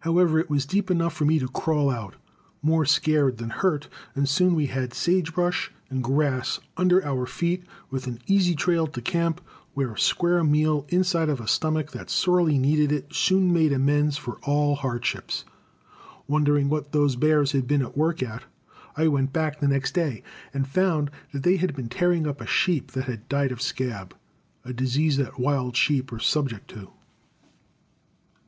However, it was deep enough for me to crawl out, more scared than hurt, and soon we had sage brush and grass under our feet, with an easy trail to camp, where a square meal inside of a stomach that sorely needed it soon made amends for all hardships. Wondering what those bears had been at work at, I went back the next day and found that they had been tearing up a sheep that had died of scab, a disease that wild sheep are subject to.